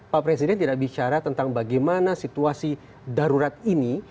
pak presiden tidak bicara tentang bagaimana situasi darurat ini